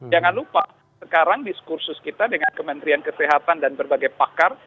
jangan lupa sekarang diskursus kita dengan kementerian kesehatan dan berbagai pakar